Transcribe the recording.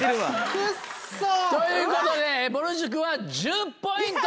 クッソ！ということでぼる塾は１０ポイント！